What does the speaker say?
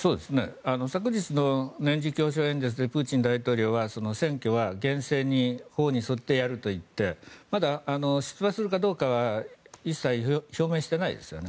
昨日の年次教書演説でプーチン大統領は選挙は厳正に法に沿ってやると言ってまだ出馬するかどうかは一切表明してないですよね。